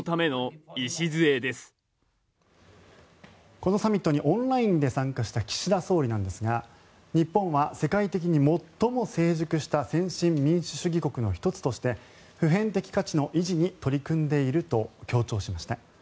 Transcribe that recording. このサミットにオンラインで参加した岸田総理なんですが日本は世界的に最も成熟した先進民主主義国の１つとして普遍的価値の維持に取り組んでいると強調しました。